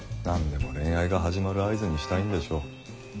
何でも恋愛が始まる合図にしたいんでしょう。